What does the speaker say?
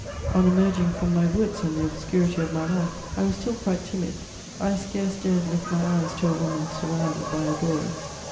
On emerging from my woods and the obscurity of my life, I was still quite timid; I scarce dared lift my eyes to a woman surrounded by adorers.